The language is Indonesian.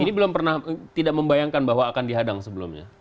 ini belum pernah tidak membayangkan bahwa akan dihadang sebelumnya